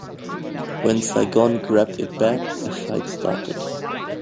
When Saigon grabbed it back, a fight started.